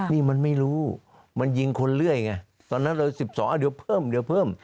นี่มันไม่รู้มันยิงคนเรื่อยไงตอนนั้นเลย๑๒เดี๋ยวเพิ่มเดี๋ยวเพิ่ม